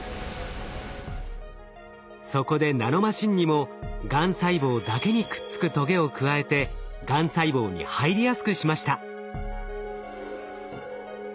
そこでナノマシンにもがん細胞だけにくっつくトゲを加えてがん細胞に入りやすくしました。